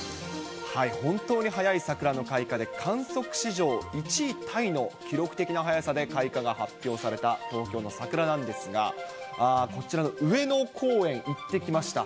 本当に早い桜の開花で、観測史上１位タイの記録的な早さで開花が発表された東京の桜なんですが、こちらの上野公園行ってきました。